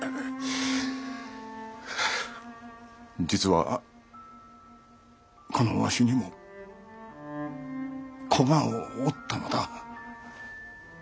実はこのわしにも子がおったのだ。